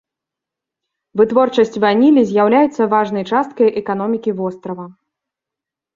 Вытворчасць ванілі з'яўляецца важнай часткай эканомікі вострава.